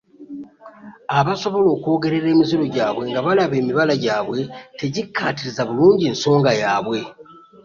Abasobola okwogerera emiziro gyabwe nga balaba emibala gyabwe tegikkaatiriza bulungi nsonga yaabwe.